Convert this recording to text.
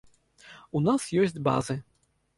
У нас ёсць базы.